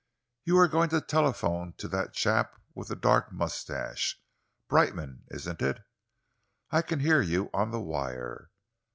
"You are going to telephone to that chap with the dark moustache Brightman, isn't it? I can hear you on the wire.